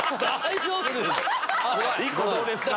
１個どうですか？